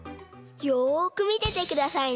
よくみててくださいね。